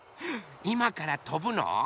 いまからとぶの？